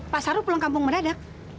pak saru pulang kampung meradak